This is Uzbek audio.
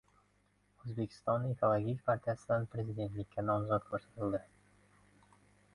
O‘zbekiston Ekologik partiyasidan Prezidentlikka nomzod ko‘rsatildi